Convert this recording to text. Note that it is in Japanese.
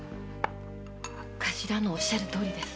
頭のおっしゃるとおりです。